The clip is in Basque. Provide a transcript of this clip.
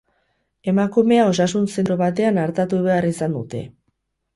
Emakumea osasun-zentro batean artatu behar izan dute.